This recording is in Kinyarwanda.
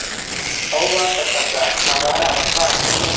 aho bafataga abari abavandimwe